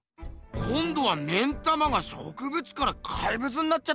こんどは目ん玉が植物から怪物になっちゃったぞ。